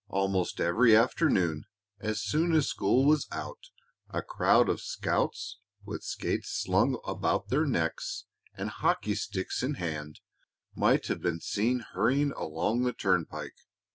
Almost every afternoon as soon as school was out a crowd of scouts, with skates slung about their necks and hockey sticks in hand, might have been seen hurrying along the turnpike.